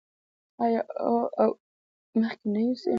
آیا او لا به یې مخکې نه یوسي؟